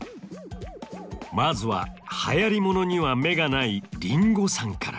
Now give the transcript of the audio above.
まずは流行り物には目がないりんごさんから。